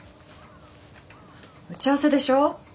打ち合わせでしょ。